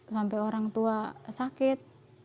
sampai orang tua sakit